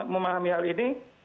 memahami hal ini